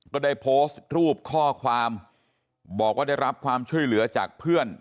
ก็ได้โพสต์รูปข้อความบอกว่าได้รับความช่วยเหลือจากเพื่อน